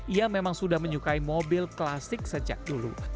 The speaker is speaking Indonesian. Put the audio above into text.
ia memang sudah menyukai mobil klasik sejak dulu